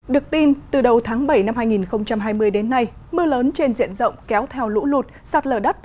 được tin từ đầu tháng bảy năm hai nghìn hai mươi đến nay mưa lớn trên diện rộng kéo theo lũ lụt sạt lở đất